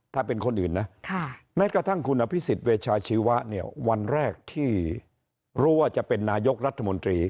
ถ้าเป็นคนอื่นนะแม้กระทั่งคุณอภิษฎเวชาชีวะเนี่ยวันแรกที่รู้ว่าจะเป็นนายกรัฐมนตรี